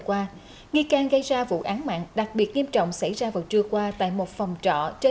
qua nghi can gây ra vụ án mạng đặc biệt nghiêm trọng xảy ra vào trưa qua tại một phòng trọ trên